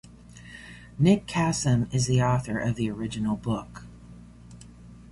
Nick Kassem is the author of the original book.